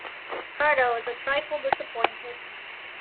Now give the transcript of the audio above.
Ricardo was a trifle disappointed.